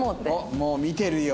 もう見てるよ。